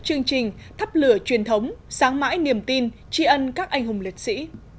chương trình thắp lửa truyền thống sáng mãi niềm tin tri ân các anh hùng liệt sĩ